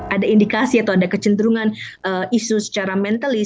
ada indikasi atau ada kecenderungan isu secara mentalis